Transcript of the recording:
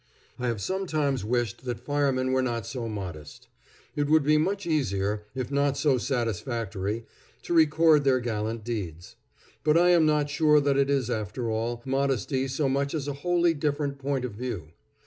I have sometimes wished that firemen were not so modest. It would be much easier, if not so satisfactory, to record their gallant deeds. But I am not sure that it is, after all, modesty so much as a wholly different point of view.